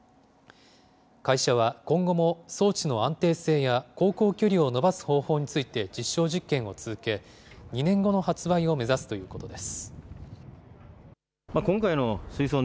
会社は今後も装置の安定性や航行距離を伸ばす方法について実証実験を続け、２年後の発売を目指すということです。